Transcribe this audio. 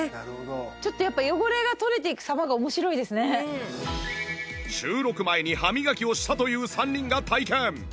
ちょっとやっぱ収録前に歯磨きをしたという３人が体験！